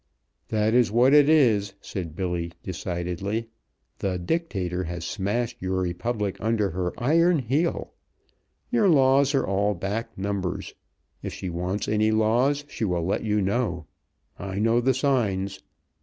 "That is what it is," said Billy decidedly. "The dictator has smashed your republic under her iron heel; your laws are all back numbers if she wants any laws, she will let you know. I know the signs.